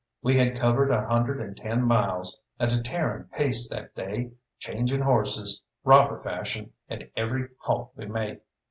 We had covered a hundred and ten miles at a tearing pace that day, changing horses, robber fashion, at every halt we made.